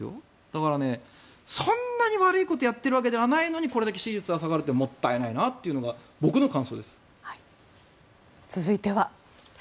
だから、そんなに悪いことをやっているわけではないのにこれだけ支持率が下がるってもったいないなって続いては。